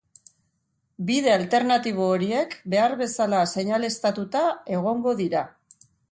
Bide alternatibo horiek behar bezala seinaleztatuta egongo dira.